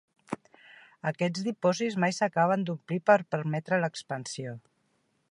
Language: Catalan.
Aquests dipòsits mai s'acaben d'omplir per permetre l'expansió.